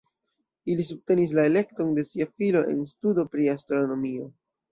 Ili subtenis la elekton de sia filo en studo pri astronomio.